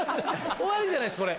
終わりじゃないですこれ！